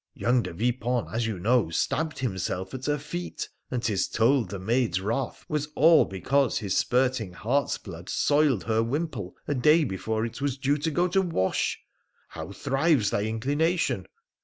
Young De Vipon, as you know, stabbed himself at her feet, and 'tis told the maid's wrath was all because his spurting heart's blood soiled her wimple a day before it was due to go to wash ! How thrives thy inclination